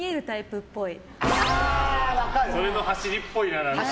それの走りっぽいな。